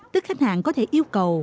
tức khách hàng có thể yêu cầu